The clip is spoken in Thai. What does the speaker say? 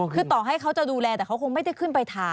คือต่อให้เขาจะดูแลแต่เขาคงไม่ได้ขึ้นไปทา